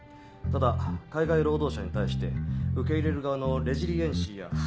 ただ海外労働者に対して受け入れる側のレジリエンシーや。